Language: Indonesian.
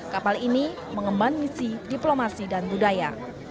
kapal ini mengemban misi diplomasi dan budaya